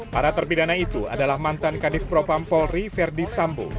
para terpidana itu adalah mantan kadif propampolri verdi sambo